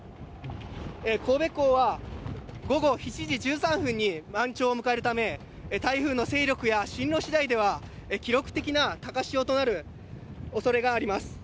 神戸港は午後７時１３分に満潮を迎えるため、台風の勢力や進路しだいでは、記録的な高潮となるおそれがあります。